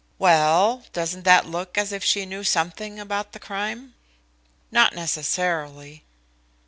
"Well, doesn't that look as if she knew something about the crime?" "Not necessarily."